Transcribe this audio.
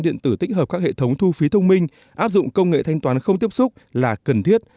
điện tử tích hợp các hệ thống thu phí thông minh áp dụng công nghệ thanh toán không tiếp xúc là cần thiết